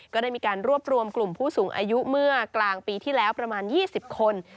ก็ได้มีการรวบรวมกลุ่มผู้สูงอายุเมื่อกลางปีที่แล้วประมาณ๒๐คน